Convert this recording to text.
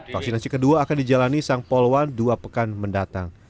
vaksinasi kedua akan dijalani sang polwan dua pekan mendatang